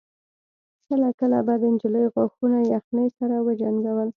کله کله به د نجلۍ غاښونه يخنۍ سره وجنګول.